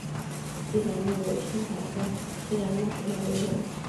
鸡仔木为茜草科鸡仔木属下的一个种。